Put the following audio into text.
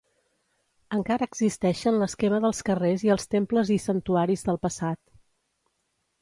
Encara existeixen l’esquema dels carrers i els temples i santuaris del passat.